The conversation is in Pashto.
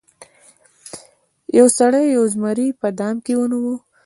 یو سړي یو زمری په دام کې ونیو.